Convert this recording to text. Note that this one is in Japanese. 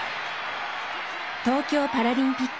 東京パラリンピック